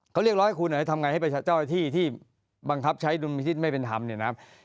เขาเรียกร้องให้คุณทำไงให้เจ้าหน้าที่ที่บังคับใช้ดุลมิชิตไม่เป็นธรรมเนี่ยนะครับ